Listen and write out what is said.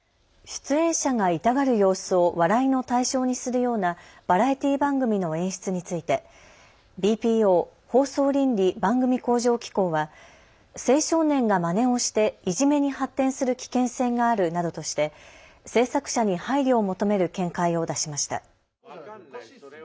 出演者が痛がる様子を笑いの対象にするようなバラエティー番組の演出についてＢＰＯ放送倫理・番組向上機構は青少年がまねをしていじめに発展する危険性があるなどとして制作者に配慮を求める見解を出しました。